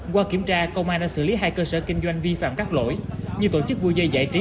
qua kiểm tra công an đã xử lý hai cơ sở kinh doanh vi phạm các lỗi như tổ chức vui dây giải trí